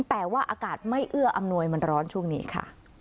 แต่ว่าอากาศไม่เอื้ออำนวยมันร้อนช่วงนี้ค่ะ